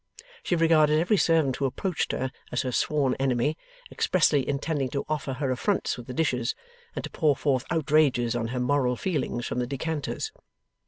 She regarded every servant who approached her, as her sworn enemy, expressly intending to offer her affronts with the dishes, and to pour forth outrages on her moral feelings from the decanters.